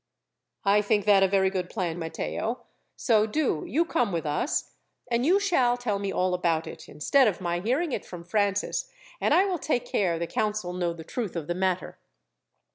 "I think that a very good plan, Matteo; so do you come with us, and you shall tell me all about it, instead of my hearing it from Francis, and I will take care the council know the truth of the matter."